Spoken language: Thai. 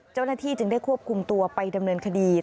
เจ้าหน้าที่จึงได้ควบคุมตัวไปดำเนินคดี